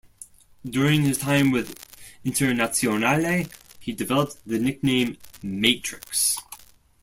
During his time with Internazionale, he developed the nickname "Matrix".